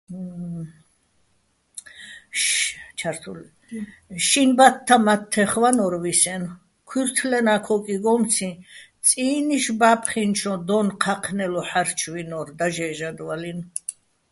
შინ ბათთა მათთეხ ვანო́რ ვისენო̆, ქუჲრთლენა ქოკიგომციჼ წინი́შ ბა́ფხინჩო დო́ნ ჴაჴნელო ჰ̦არჩვინო́რ დაჟე́ჟადვალინო̆.